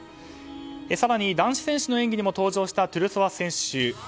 更に男子選手の演技にも登場したトゥルソワ選手。